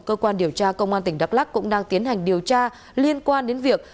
cơ quan điều tra công an tỉnh đắk lắc cũng đang tiến hành điều tra liên quan đến việc